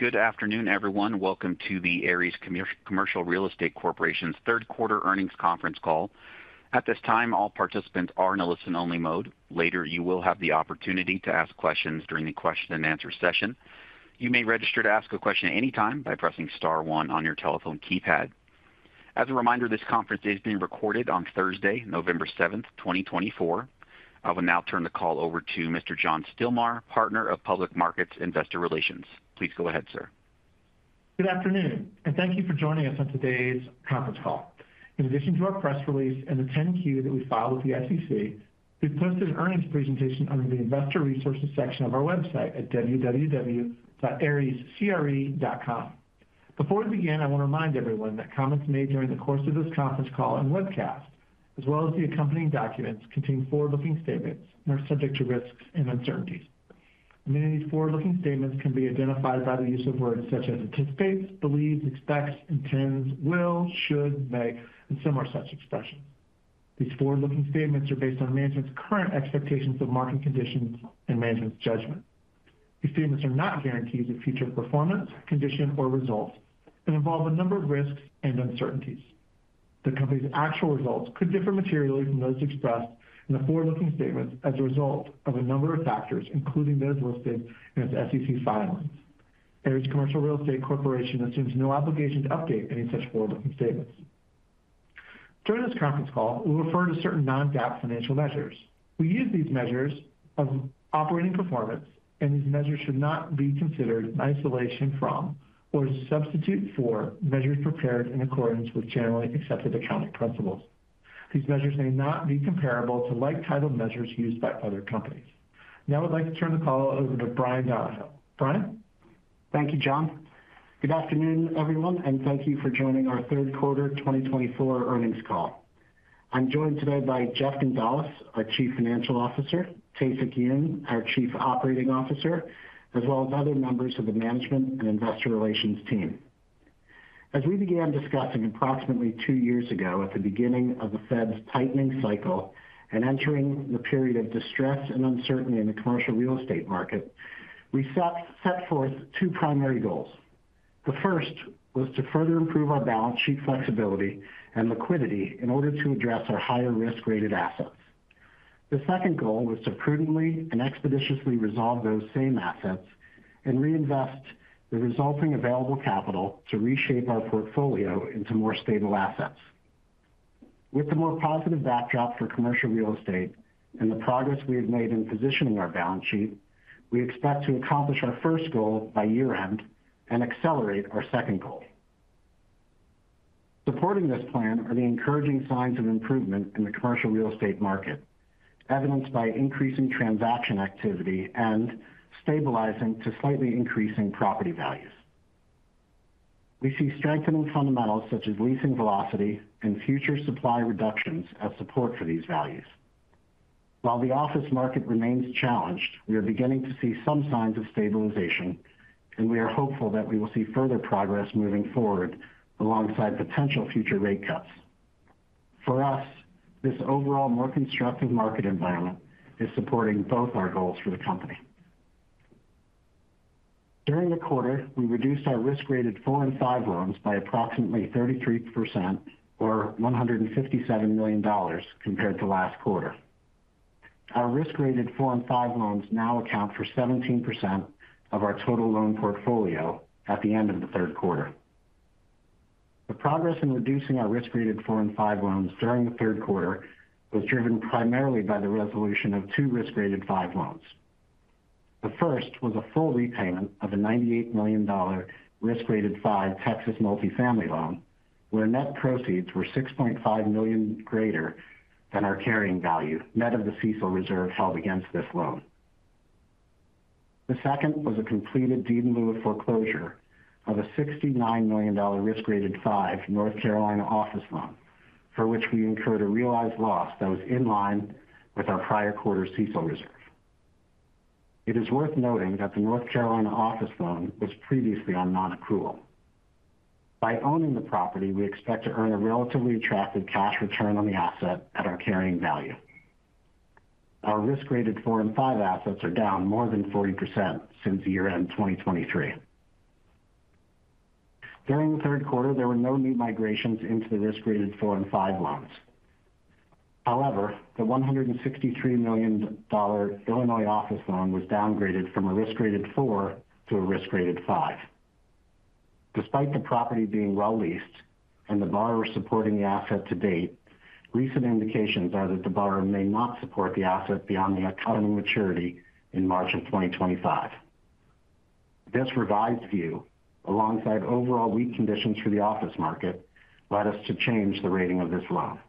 Good afternoon, everyone. Welcome to the Ares Commercial Real Estate Corporation's Third Quarter Earnings Conference Call. At this time, all participants are in a listen-only mode. Later, you will have the opportunity to ask questions during the question-and-answer session. You may register to ask a question at any time by pressing star one on your telephone keypad. As a reminder, this conference is being recorded on Thursday, November 7th, 2024. I will now turn the call over to Mr. John Stilmar, Partner of Public Markets Investor Relations. Please go ahead, sir. Good afternoon, and thank you for joining us on today's conference call. In addition to our press release and the 10-Q that we filed with the SEC, we've posted an earnings presentation under the investor resources section of our website at www.arescre.com. Before we begin, I want to remind everyone that comments made during the course of this conference call and webcast, as well as the accompanying documents, contain forward-looking statements and are subject to risks and uncertainties. Many of these forward-looking statements can be identified by the use of words such as anticipates, believes, expects, intends, will, should, may, and similar such expressions. These forward-looking statements are based on management's current expectations of market conditions and management's judgment. These statements are not guarantees of future performance, condition, or results and involve a number of risks and uncertainties. The company's actual results could differ materially from those expressed in the forward-looking statements as a result of a number of factors, including those listed in its SEC filings. Ares Commercial Real Estate Corporation assumes no obligation to update any such forward-looking statements. During this conference call, we'll refer to certain non-GAAP financial measures. We use these measures as operating performance, and these measures should not be considered in isolation from or to substitute for measures prepared in accordance with generally accepted accounting principles. These measures may not be comparable to like-titled measures used by other companies. Now I'd like to turn the call over to Bryan Donohoe. Bryan? Thank you, John. Good afternoon, everyone, and thank you for joining our third quarter 2024 earnings call. I'm joined today by Jeffrey Gonzalez, our Chief Financial Officer, Tae-Sik Yoon, our Chief Operating Officer, as well as other members of the management and investor relations team. As we began discussing approximately two years ago at the beginning of the Fed's tightening cycle and entering the period of distress and uncertainty in the commercial real estate market, we set forth two primary goals. The first was to further improve our balance sheet flexibility and liquidity in order to address our higher risk-rated assets. The second goal was to prudently and expeditiously resolve those same assets and reinvest the resulting available capital to reshape our portfolio into more stable assets. With the more positive backdrop for commercial real estate and the progress we have made in positioning our balance sheet, we expect to accomplish our first goal by year-end and accelerate our second goal. Supporting this plan are the encouraging signs of improvement in the commercial real estate market, evidenced by increasing transaction activity and stabilizing to slightly increasing property values. We see strengthening fundamentals such as leasing velocity and future supply reductions as support for these values. While the office market remains challenged, we are beginning to see some signs of stabilization, and we are hopeful that we will see further progress moving forward alongside potential future rate cuts. For us, this overall more constructive market environment is supporting both our goals for the company. During the quarter, we reduced our risk-rated four and five loans by approximately 33%, or $157 million compared to last quarter. Our risk-rated four and five loans now account for 17% of our total loan portfolio at the end of the third quarter. The progress in reducing our risk-rated four and five loans during the third quarter was driven primarily by the resolution of two risk-rated five loans. The first was a full repayment of a $98 million risk-rated five Texas multifamily loan, where net proceeds were $6.5 million greater than our carrying value, net of the CECL reserve held against this loan. The second was a completed deed-in-lieu foreclosure of a $69 million risk-rated five North Carolina office loan, for which we incurred a realized loss that was in line with our prior quarter CECL reserve. It is worth noting that the North Carolina office loan was previously on non-accrual. By owning the property, we expect to earn a relatively attractive cash return on the asset at our carrying value. Our risk-rated four and five assets are down more than 40% since year-end 2023. During the third quarter, there were no new migrations into the risk-rated four and five loans. However, the $163 million Illinois office loan was downgraded from a risk-rated four to a risk-rated five. Despite the property being well-leased and the borrower supporting the asset to date, recent indications are that the borrower may not support the asset beyond the upcoming maturity in March of 2025. This revised view, alongside overall weak conditions for the office market, led us to change the rating of this loan.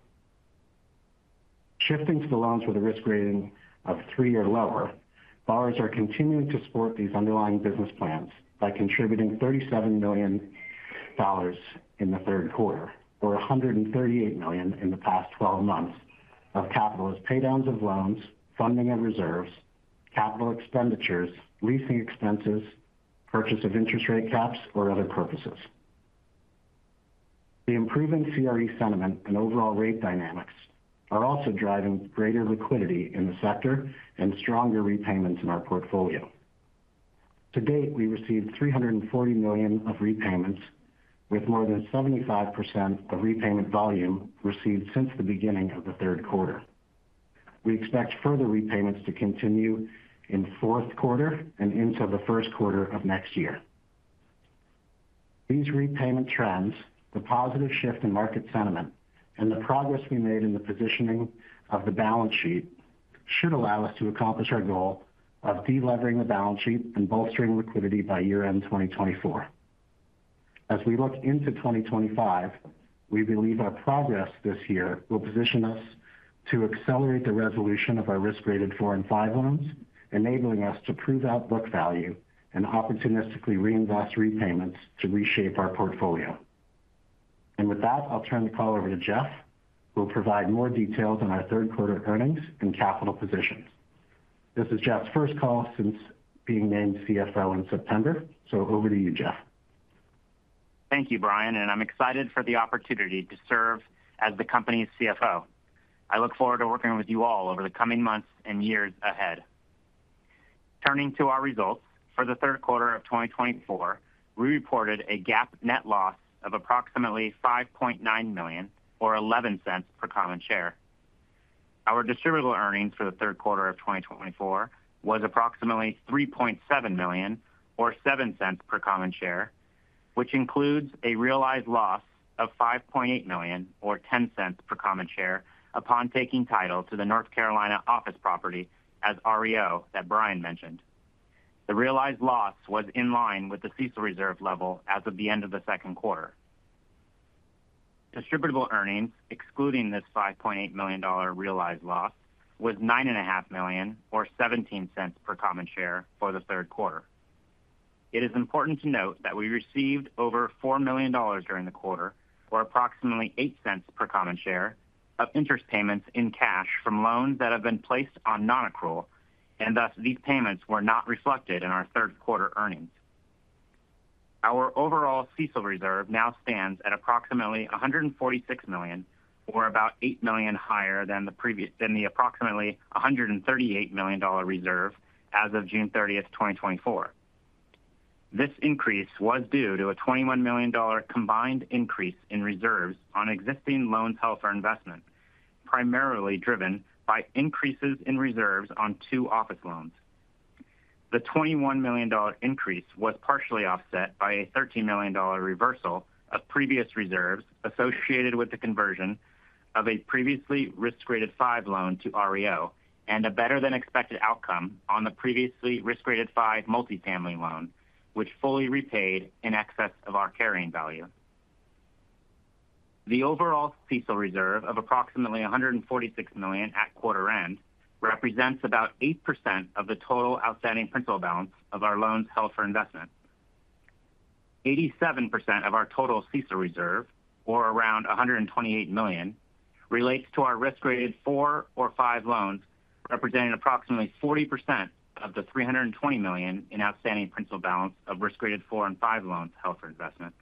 Shifting to the loans with a risk rating of three or lower, borrowers are continuing to support these underlying business plans by contributing $37 million in the third quarter, or $138 million in the past 12 months of capital as paydowns of loans, funding of reserves, capital expenditures, leasing expenses, purchase of interest rate caps, or other purposes. The improving CRE sentiment and overall rate dynamics are also driving greater liquidity in the sector and stronger repayments in our portfolio. To date, we received $340 million of repayments, with more than 75% of repayment volume received since the beginning of the third quarter. We expect further repayments to continue in fourth quarter and into the first quarter of next year. These repayment trends, the positive shift in market sentiment, and the progress we made in the positioning of the balance sheet should allow us to accomplish our goal of deleveraging the balance sheet and bolstering liquidity by year-end 2024. As we look into 2025, we believe our progress this year will position us to accelerate the resolution of our risk-rated four and five loans, enabling us to prove out book value and opportunistically reinvest repayments to reshape our portfolio. And with that, I'll turn the call over to Jeff, who will provide more details on our third quarter earnings and capital positions. This is Jeff's first call since being named CFO in September, so over to you, Jeff. Thank you, Bryan, and I'm excited for the opportunity to serve as the company's CFO. I look forward to working with you all over the coming months and years ahead. Turning to our results, for the third quarter of 2024, we reported a GAAP net loss of approximately $5.9 million, or $0.11 per common share. Our distributable earnings for the third quarter of 2024 was approximately $3.7 million, or $0.07 per common share, which includes a realized loss of $5.8 million, or $0.10 per common share, upon taking title to the North Carolina office property as REO that Bryan mentioned. The realized loss was in line with the CECL reserve level as of the end of the second quarter. Distributable earnings, excluding this $5.8 million realized loss, was $9.5 million, or $0.17 per common share for the third quarter. It is important to note that we received over $4 million during the quarter, or approximately $0.08 per common share, of interest payments in cash from loans that have been placed on non-accrual, and thus these payments were not reflected in our third quarter earnings. Our overall CECL reserve now stands at approximately $146 million, or about $8 million higher than the approximately $138 million reserve as of June 30th, 2024. This increase was due to a $21 million combined increase in reserves on existing loans held for investment, primarily driven by increases in reserves on two office loans. The $21 million increase was partially offset by a $13 million reversal of previous reserves associated with the conversion of a previously risk-rated five loan to REO and a better-than-expected outcome on the previously risk-rated five multifamily loan, which fully repaid in excess of our carrying value. The overall CECL reserve of approximately $146 million at quarter-end represents about 8% of the total outstanding principal balance of our loans held for investment. 87% of our total CECL reserve, or around $128 million, relates to our risk-rated four or five loans, representing approximately 40% of the $320 million in outstanding principal balance of risk-rated four and five loans held for investment.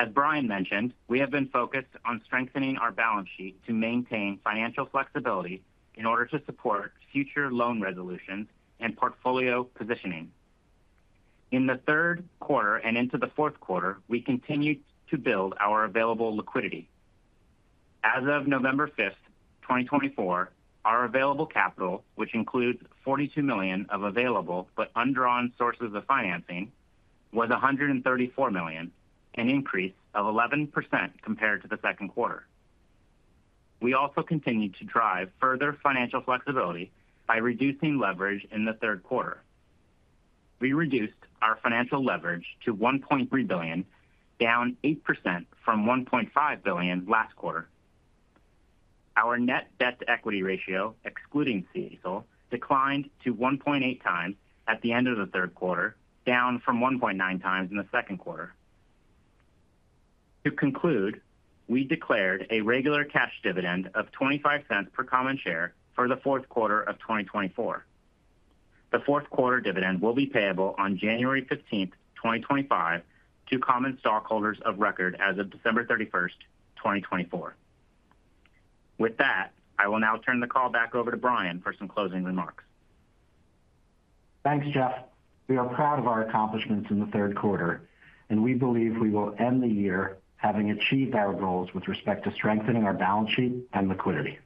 As Bryan mentioned, we have been focused on strengthening our balance sheet to maintain financial flexibility in order to support future loan resolutions and portfolio positioning. In the third quarter and into the fourth quarter, we continue to build our available liquidity. As of November 5th, 2024, our available capital, which includes $42 million of available but undrawn sources of financing, was $134 million, an increase of 11% compared to the second quarter. We also continued to drive further financial flexibility by reducing leverage in the third quarter. We reduced our financial leverage to $1.3 billion, down 8% from $1.5 billion last quarter. Our net debt-to-equity ratio, excluding CECL, declined to 1.8 times at the end of the third quarter, down from 1.9 times in the second quarter. To conclude, we declared a regular cash dividend of $0.25 per common share for the fourth quarter of 2024. The fourth quarter dividend will be payable on January 15th, 2025, to common stockholders of record as of December 31st, 2024. With that, I will now turn the call back over to Bryan for some closing remarks. Thanks, Jeff. We are proud of our accomplishments in the third quarter, and we believe we will end the year having achieved our goals with respect to strengthening our balance sheet and liquidity.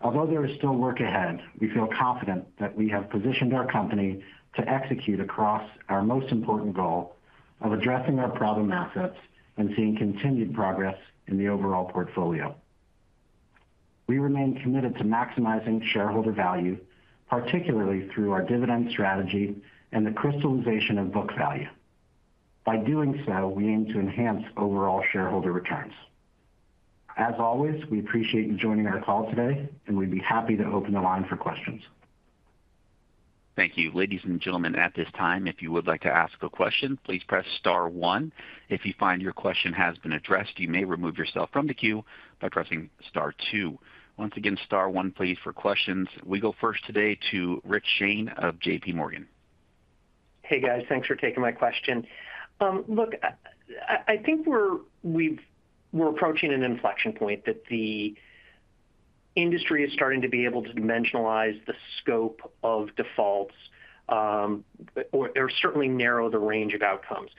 Although there is still work ahead, we feel confident that we have positioned our company to execute across our most important goal of addressing our problem assets and seeing continued progress in the overall portfolio. We remain committed to maximizing shareholder value, particularly through our dividend strategy and the crystallization of book value. By doing so, we aim to enhance overall shareholder returns. As always, we appreciate you joining our call today, and we'd be happy to open the line for questions. Thank you. Ladies and gentlemen, at this time, if you would like to ask a question, please press star one. If you find your question has been addressed, you may remove yourself from the queue by pressing star two. Once again, star one, please, for questions. We go first today to Rich Shane of J.P. Morgan. Hey, guys. Thanks for taking my question. Look, we're approaching an inflection point that the industry is starting to be able to dimensionalize the scope of defaults or certainly narrow the range of outcomes.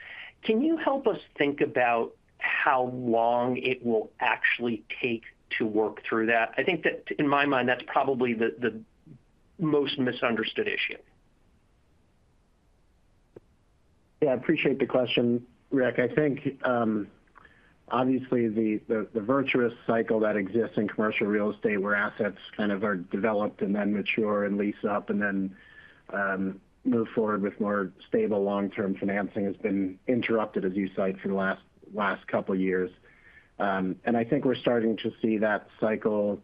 Can you help us think about how long it will actually take to work through that? In my mind, that's probably the most misunderstood issue. Yeah, I appreciate the question, Rick. Obviously, the virtuous cycle that exists in commercial real estate, where assets are developed and then mature and lease up and then move forward with more stable long-term financing, has been interrupted, as you cite, for the last couple of years, and we're starting to see that cycle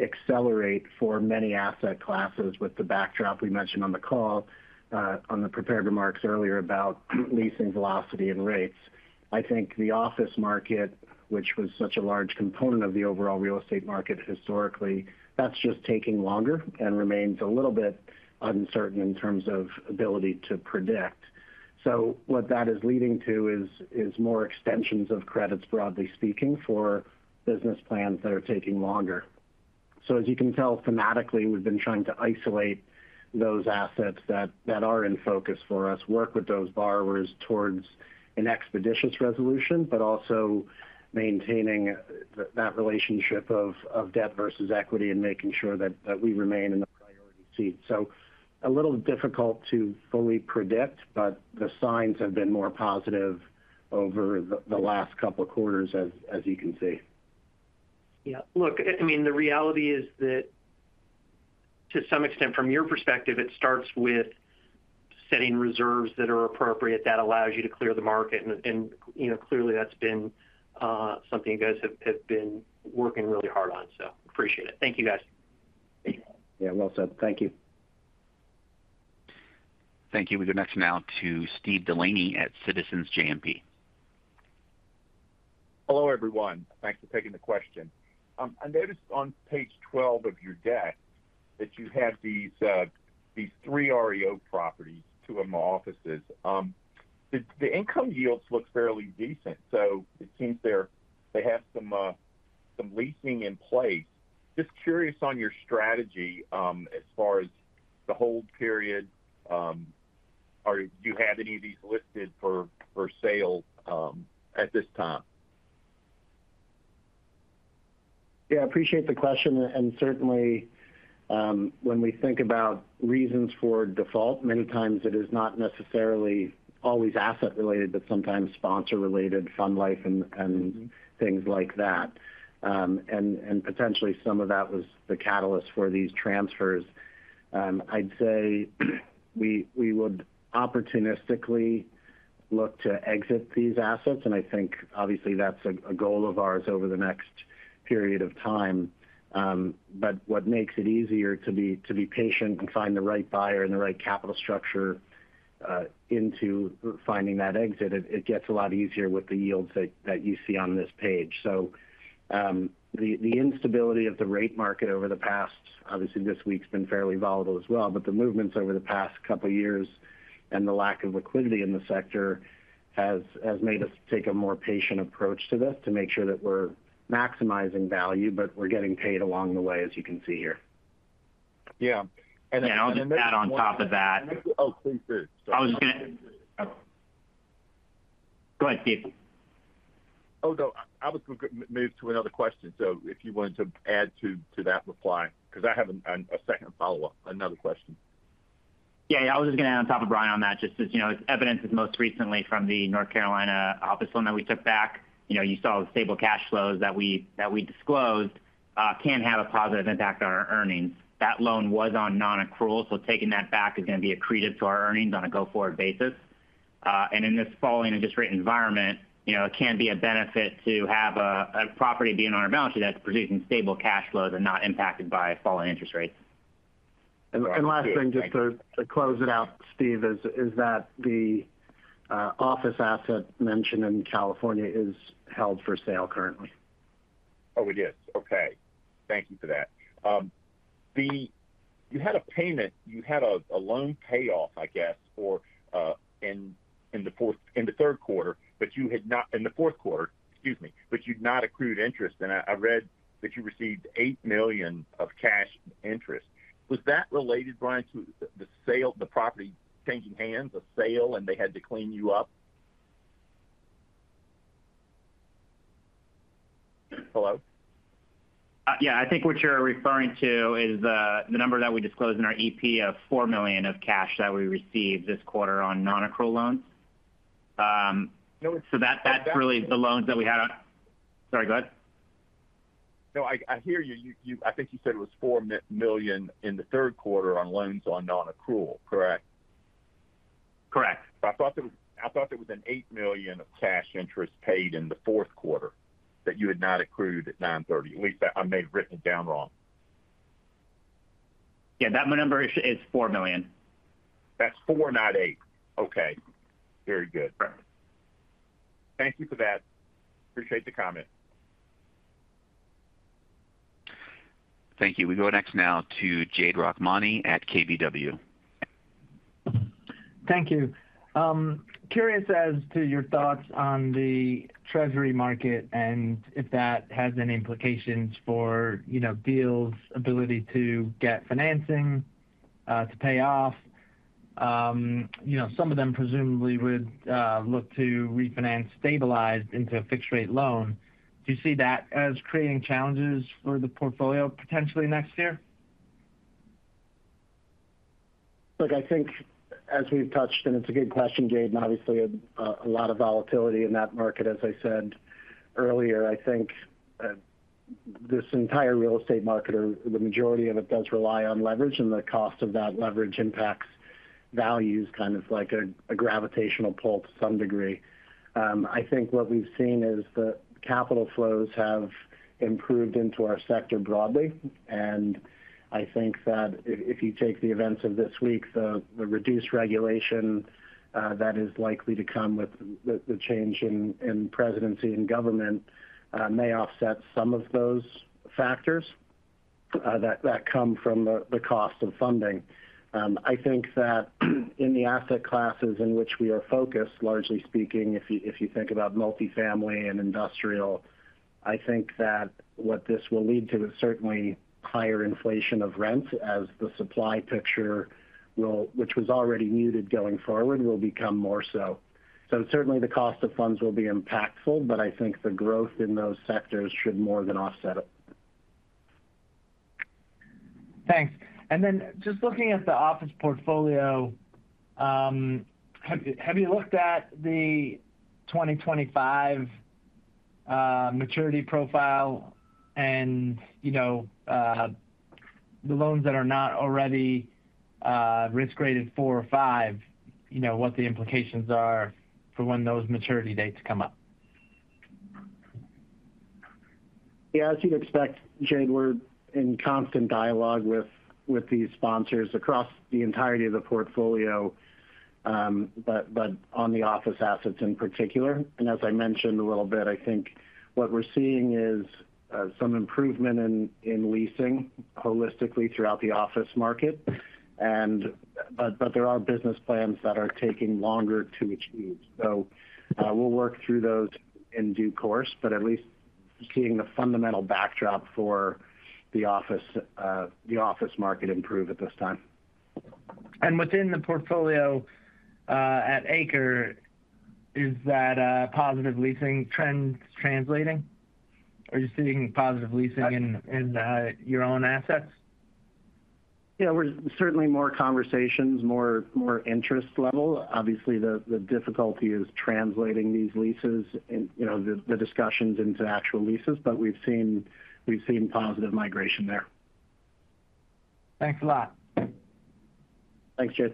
accelerate for many asset classes with the backdrop we mentioned on the call, on the prepared remarks earlier about leasing velocity and rates. The office market, which was such a large component of the overall real estate market historically, that's just taking longer and remains a little bit uncertain in terms of ability to predict, so what that is leading to is more extensions of credits, broadly speaking, for business plans that are taking longer. As you can tell, thematically, we've been trying to isolate those assets that are in focus for us, work with those borrowers towards an expeditious resolution, but also maintaining that relationship of debt versus equity and making sure that we remain in the priority seat. A little difficult to fully predict, but the signs have been more positive over the last couple of quarters, as you can see. Yeah. Look, the reality is that, to some extent, from your perspective, it starts with setting reserves that are appropriate that allow you to clear the market. And clearly, that's been something you guys have been working really hard on. Appreciate it. Thank you, guys. Yeah, well said. Thank you. Thank you. We go next now to Steve Delaney at Citizens JMP. Hello, everyone. Thanks for taking the question. I noticed on page 12 of your deck that you had these three REO properties, two of them offices. The income yields look fairly decent, so it seems they have some leasing in place. Just curious on your strategy as far as the hold period. Do you have any of these listed for sale at this time? Yeah, I appreciate the question. And certainly, when we think about reasons for default, many times it is not necessarily always asset-related, but sometimes sponsor-related, fund life, and things like that. And potentially, some of that was the catalyst for these transfers. I'd say we would opportunistically look to exit these assets. Obviously, that's a goal of ours over the next period of time. But what makes it easier to be patient and find the right buyer and the right capital structure into finding that exit, it gets a lot easier with the yields that you see on this page. The instability of the rate market over the past, obviously, this week's been fairly volatile as well, but the movements over the past couple of years and the lack of liquidity in the sector has made us take a more patient approach to this to make sure that we're maximizing value, but we're getting paid along the way, as you can see here. Yeah. And I'll just add on top of that. Oh, please do. Sorry. Go ahead, Steve. Oh, no. I was going to move to another question, so if you wanted to add to that reply, because I have a second follow-up, another question. Yeah, I was just going to add on top of Bryan on that, just as evidence, most recently from the North Carolina office loan that we took back. You saw the stable cash flows that we disclosed can have a positive impact on our earnings. That loan was on non-accrual, so taking that back is going to be accretive to our earnings on a go-forward basis. And in this falling interest rate environment, it can be a benefit to have a property being on our balance sheet that's producing stable cash flows and not impacted by falling interest rates. Last thing, just to close it out, Steve, is that the office asset mentioned in California is held for sale currently. Oh, it is. Okay. Thank you for that. You had a payment, you had a loan payoff in the third quarter, but you had not, in the fourth quarter, excuse me, but you'd not accrued interest. And I read that you received $8 million of cash interest. Was that related, Bryan, to the property changing hands, a sale, and they had to clean you up? Hello? Yeah, what you're referring to is the number that we disclosed in our EP of $4 million of cash that we received this quarter on non-accrual loans. That's really the loans that we had on - sorry, go ahead. No, I hear you. You said it was $4 million in the third quarter on loans on non-accrual, correct? Correct. I thought there was an $8 million of cash interest paid in the fourth quarter that you had not accrued at 9/30. At least I may have written it down wrong. Yeah, that number is $4 million. That's $4, not $8. Okay. Very good. Thank you for that. Appreciate the comment. Thank you. We go next now to Jade Rahmani at KBW. Thank you. Curious as to your thoughts on the Treasury market and if that has any implications for deals' ability to get financing to pay off. Some of them presumably would look to refinance stabilized into a fixed-rate loan. Do you see that as creating challenges for the portfolio potentially next year? Look, as we've touched, and it's a good question, Jade, and obviously a lot of volatility in that market, as I said earlier, this entire real estate market, or the majority of it, does rely on leverage, and the cost of that leverage impacts values like a gravitational pull to some degree. What we've seen is the capital flows have improved into our sector broadly. If you take the events of this week, the reduced regulation that is likely to come with the change in presidency and government may offset some of those factors that come from the cost of funding. In the asset classes in which we are focused, largely speaking, if you think about multifamily and industrial, what this will lead to is certainly higher inflation of rents, as the supply picture, which was already muted going forward, will become more so. Certainly, the cost of funds will be impactful, but the growth in those sectors should more than offset it. Thanks. And then just looking at the office portfolio, have you looked at the 2025 maturity profile and the loans that are not already risk-rated four or five, what the implications are for when those maturity dates come up? Yeah, as you'd expect, Jade, we're in constant dialogue with these sponsors across the entirety of the portfolio, but on the office assets in particular. And as I mentioned a little bit, what we're seeing is some improvement in leasing holistically throughout the office market, but there are business plans that are taking longer to achieve. We'll work through those in due course, but at least seeing the fundamental backdrop for the office market improve at this time. And within the portfolio at Ares, is that a positive leasing trend translating? Are you seeing positive leasing in your own assets? Yeah, we're certainly more conversations, more interest level. Obviously, the difficulty is translating these leases, the discussions into actual leases, but we've seen positive migration there. Thanks a lot. Thanks, Jade.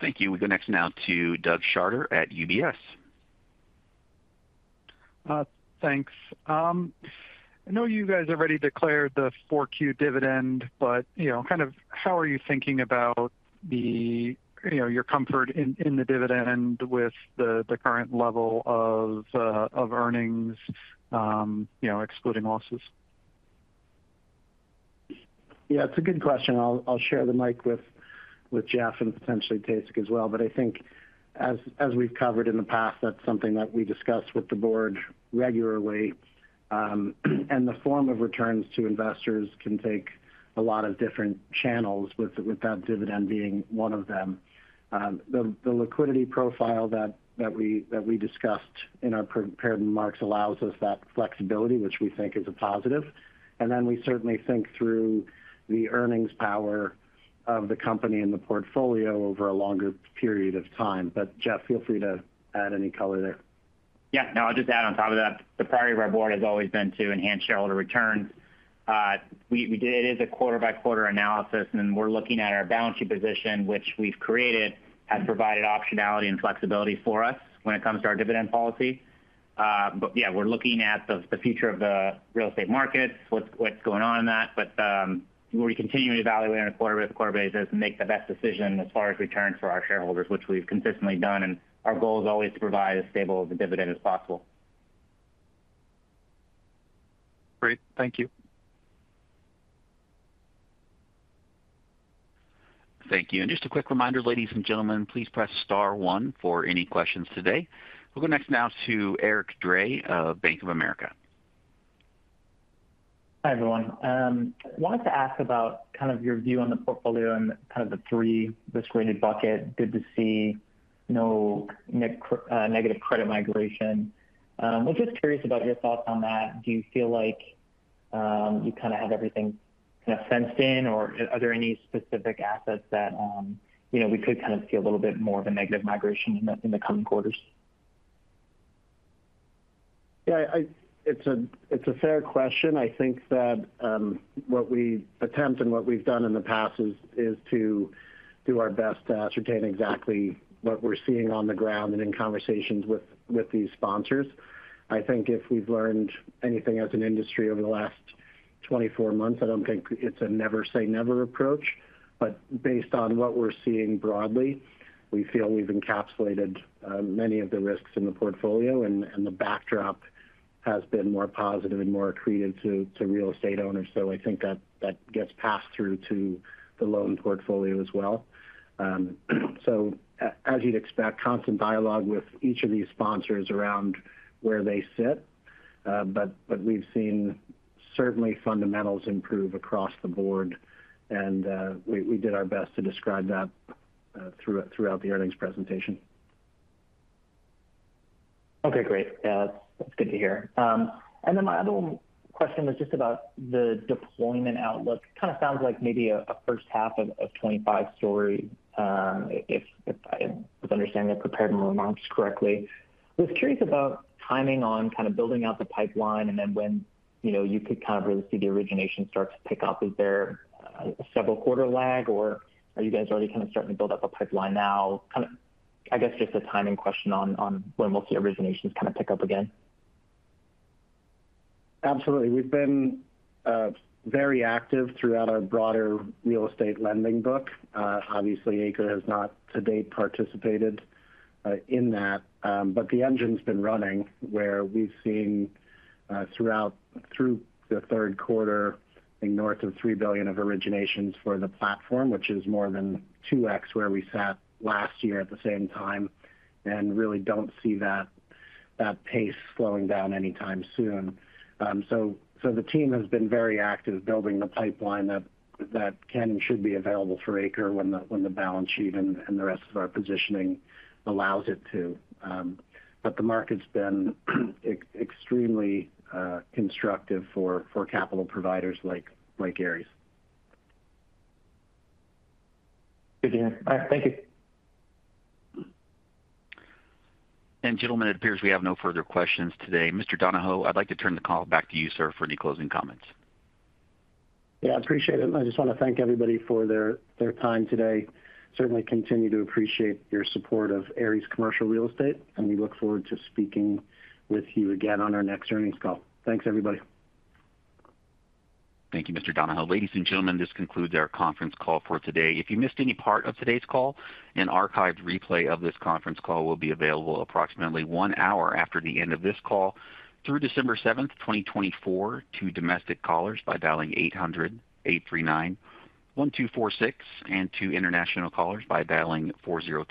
Thank you. We go next now to Doug Harter at UBS. Thanks. I know you guys already declared the 4Q dividend, but how are you thinking about your comfort in the dividend with the current level of earnings, excluding losses? Yeah, it's a good question. I'll share the mic with Jeff and potentially Tasik as well. As we've covered in the past, that's something that we discuss with the board regularly. And the form of returns to investors can take a lot of different channels, with that dividend being one of them. The liquidity profile that we discussed in our prepared remarks allows us that flexibility, which we think is a positive. And then we certainly think through the earnings power of the company and the portfolio over a longer period of time. But Jeff, feel free to add any color there. Yeah. No, I'll just add on top of that. The priority of our board has always been to enhance shareholder returns. It is a quarter-by-quarter analysis, and we're looking at our balance sheet position, which we've created, has provided optionality and flexibility for us when it comes to our dividend policy, but yeah, we're looking at the future of the real estate markets, what's going on in that, but we're continuing to evaluate on a quarter-by-quarter basis and make the best decision as far as returns for our shareholders, which we've consistently done, and our goal is always to provide as stable of a dividend as possible. Great. Thank you. Thank you, and just a quick reminder, ladies and gentlemen, please press star one for any questions today. We'll go next now to Eric Hagen of Bank of America. Hi, everyone. I wanted to ask about your view on the portfolio and the three risk-rated buckets. Good to see no negative credit migration. We're just curious about your thoughts on that. Do you feel like you have everything fenced in, or are there any specific assets that we could see a little bit more of a negative migration in the coming quarters? Yeah, it's a fair question. What we attempt and what we've done in the past is to do our best to ascertain exactly what we're seeing on the ground and in conversations with these sponsors. If we've learned anything as an industry over the last 24 months, I don't think it's a never-say-never approach. But based on what we're seeing broadly, we feel we've encapsulated many of the risks in the portfolio, and the backdrop has been more positive and more accretive to real estate owners. That gets passed through to the loan portfolio as well. As you'd expect, constant dialogue with each of these sponsors around where they sit. But we've seen certainly fundamentals improve across the board, and we did our best to describe that throughout the earnings presentation. Okay, great. Yeah, that's good to hear. And then my other question was just about the deployment outlook. It sounds like maybe a first half of 2025 story, if I was understanding the prepared remarks correctly. I was curious about timing on building out the pipeline and then when you could really see the origination start to pick up. Is there a several-quarter lag, or are you guys already starting to build up a pipeline now? Just a timing question on when we'll see originations pick up again. Absolutely. We've been very active throughout our broader real estate lending book. Obviously, ACRE has not to date participated in that. But the engine's been running where we've seen throughout the third quarter, north of $3 billion of originations for the platform, which is more than 2x where we sat last year at the same time, and really don't see that pace slowing down anytime soon. The team has been very active building the pipeline that can and should be available for ACRE when the balance sheet and the rest of our positioning allows it to. But the market's been extremely constructive for capital providers like Ares. Good deal. All right. Thank you. Gentlemen, it appears we have no further questions today. Mr. Donohoe, I'd like to turn the call back to you, sir, for any closing comments. Yeah, I appreciate it. I just want to thank everybody for their time today. Certainly continue to appreciate your support of Ares Commercial Real Estate, and we look forward to speaking with you again on our next earnings call. Thanks, everybody. Thank you, Mr. Donohoe. Ladies and gentlemen, this concludes our conference call for today. If you missed any part of today's call, an archived replay of this conference call will be available approximately one hour after the end of this call through December 7, 2024, to domestic callers by dialing 800-839-1246 and to international callers by dialing 404.